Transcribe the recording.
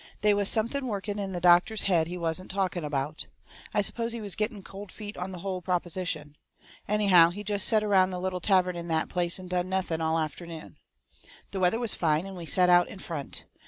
They was something working in the doctor's head he wasn't talking about. I supposed he was getting cold feet on the hull proposition. Anyhow, he jest set around the little tavern in that place and done nothing all afternoon. The weather was fine, and we set out in front.